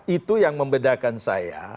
itu yang membedakan saya